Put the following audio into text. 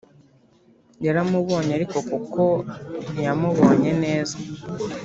yaramubonye ariko kuko ntiyamubonye neza